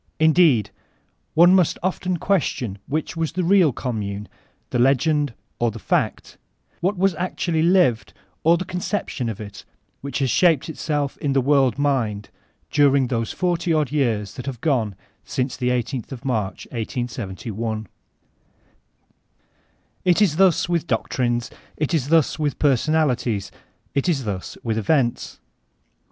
Indeed, one must often question which was the real Commune, the l^end or the fact,— what was actually lived, or the conception of it which has shaped itself in the world mind during those forty odd years that have gone since the i8th of March, 1871. It is thus with doctrines, it is thus with personalities, it is thus with events.